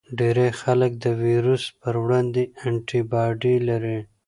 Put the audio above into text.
ډیری خلک د ویروس پر وړاندې انټي باډي لري.